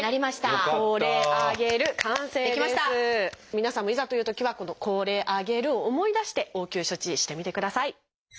皆さんもいざというときはこの「これあげる」を思い出して応急処置してみてください。